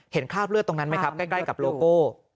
คราบเลือดตรงนั้นไหมครับใกล้กับโลโก้